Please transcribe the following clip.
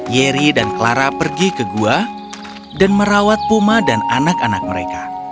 yeri dan clara pergi ke gua dan merawat puma dan anak anak mereka